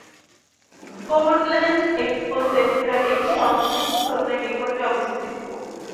Portland Expo Center এই সংযোগস্থলের নিকটে অবস্থিত।